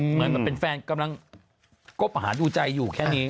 เหมือนเป็นแฟนกำลังคบหาดูใจอยู่แค่นี้